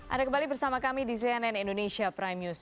ada kembali bersama kami di cnn indonesia prime news